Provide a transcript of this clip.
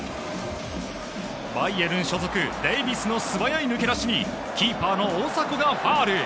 バイエルン所属デイビスの素早い抜け出しにキーパーの大迫がファウル。